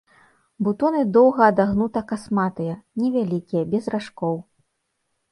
Бутоны доўга-адагнута-касматыя, невялікія, без ражкоў.